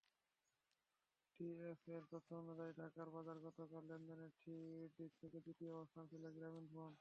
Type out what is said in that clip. ডিএসইর তথ্য অনুযায়ী, ঢাকার বাজারে গতকাল লেনদেনের দিক থেকে দ্বিতীয় অবস্থানে ছিল গ্রামীণফোন।